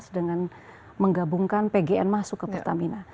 dengan menggabungkan pgn masuk ke pertamina